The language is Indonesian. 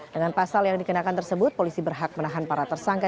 dengan pasal yang dikenakan tersebut polisi berhak menahan para tersangka